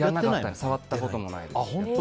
触ったこともないです。